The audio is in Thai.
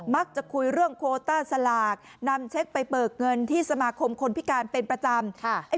มักจะคุยเรื่องโคต้าสลากนำเช็คไปเบิกเงินที่สมาคมคนพิการเป็นประจำ